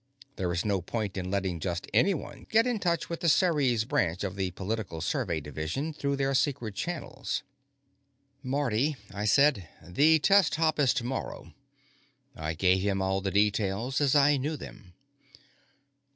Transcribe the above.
There is no point in letting just anyone get in touch with the Ceres branch of the Political Survey Division through their secret channels. "Marty," I said, "the test hop is tomorrow." I gave him all the details as I knew them.